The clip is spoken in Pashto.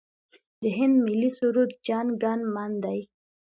د هند ملي سرود جن ګن من دی.